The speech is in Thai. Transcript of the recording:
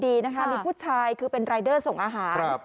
มีผู้ชายคือเป็นรายเด้อส่งอาหาร